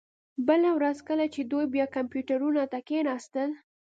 بله ورځ کله چې دوی بیا کمپیوټرونو ته کښیناستل